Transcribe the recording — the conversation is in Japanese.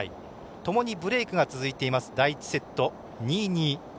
ともにブレークが続いている第１セット、２−２。